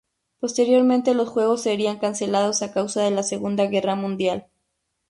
Posteriormente los juegos serían cancelados a causa de la Segunda Guerra Mundial.